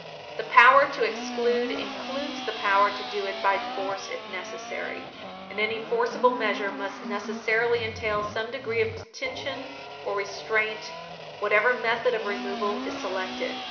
The power to exclude includes the power to do it by force if necessary. And any forcible measure must necessarily entail some degree of detention or restraint, whatever method of removal is selected.